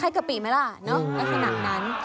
อ๋อคล้ายกับปิไหมล่ะสนับนั้น